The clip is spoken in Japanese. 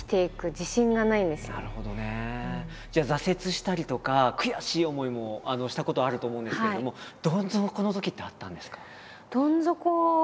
じゃあ挫折したりとか悔しい思いもしたことあると思うんですけれどもどん底のときってあったんですか？